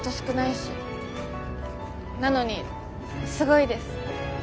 なのにすごいです。